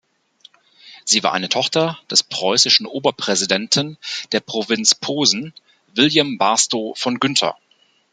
Sie war eine Tochter des preußischen Oberpräsidenten der Provinz Posen William Barstow von Guenther.